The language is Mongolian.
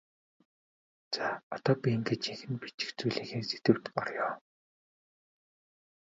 За одоо би ингээд жинхэнэ бичих зүйлийнхээ сэдэвт оръё.